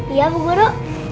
iya bu guru